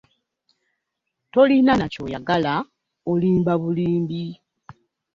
Tolina na ky'oyagala olimba bulimbi.